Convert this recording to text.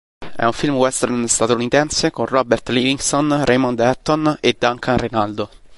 È un film western statunitense con Robert Livingston, Raymond Hatton e Duncan Renaldo.